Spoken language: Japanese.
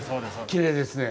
きれいですね。